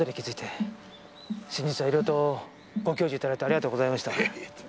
先日は色々とご教示頂いてありがとうございました。